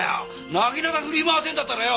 なぎなた振り回せるんだったらよ